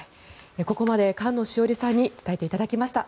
ここまで菅野志桜里さんに伝えていただきました。